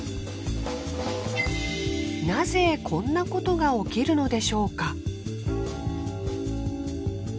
なぜこんなことが起きるのでしょうか？